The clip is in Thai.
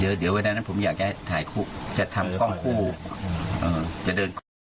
เดี๋ยวเดี๋ยวเวลานั้นผมอยากให้ถ่ายคู่จะทำกล้องคู่เอ่อจะเดิน